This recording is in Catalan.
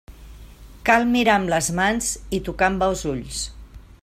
Cal mirar amb les mans i tocar amb els ulls.